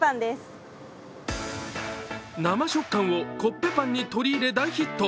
生食感をコッペパンに取り入れ大ヒット。